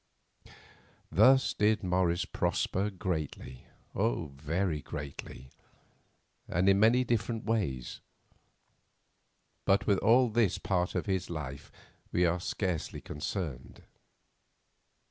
Thus did Morris prosper greatly—very greatly, and in many different ways; but with all this part of his life we are scarcely concerned.